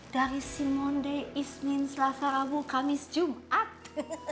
dari simone de ismins lasarabu kamis jumat